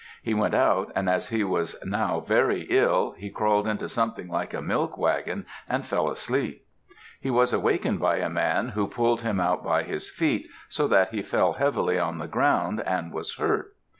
He went out, and, as he was now very ill, he crawled into something like a milk wagon and fell asleep. He was awakened by a man who pulled him out by his feet, so that he fell heavily on the ground and was hurt.